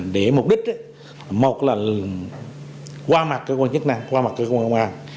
để mục đích một là qua mặt cơ quan chức năng qua mặt cơ quan công an